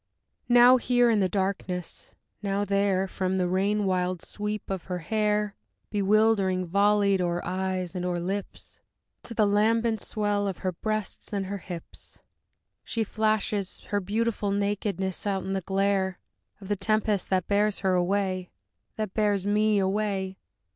Now here in the darkness, now there, From the rain wild sweep of her hair, Bewilderingly volleyed o'er eyes and o'er lips, To the lambent swell of her limbs, her breasts and her hips, She flashes her beautiful nakedness out in the glare Of the tempest that bears her away, That bears me away!